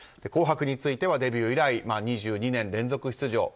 「紅白」についてはデビュー以来２２年連続出場。